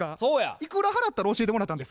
いくら払ったら教えてもらえたんですか？